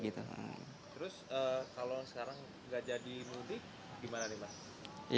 terus kalau sekarang tidak jadi mudik bagaimana nih pak